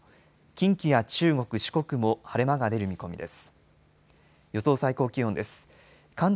近畿や中国、四国も晴れ間が出る見込みです。